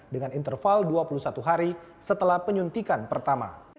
dengan interval dua puluh satu hari setelah penyuntikan pertama